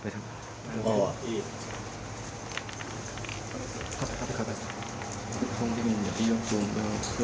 ถ่าย